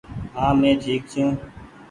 هآنٚ مينٚ ٺيڪ ڇوٚنٚ